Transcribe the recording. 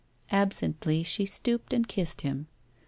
Absently she stooped and kissed him.